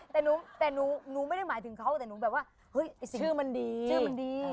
ไม่ได้แต่หนูไม่ได้หมายถึงเขาแต่หนูแบบว่าชื่อมันดี